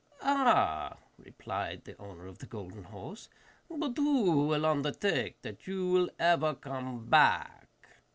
'Ah,' replied the owner of the golden horse, 'but who will undertake that you will ever come back?